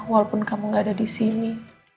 walaupun kamu gak ada di sini